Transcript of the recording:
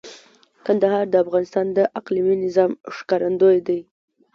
کندهار د افغانستان د اقلیمي نظام ښکارندوی دی.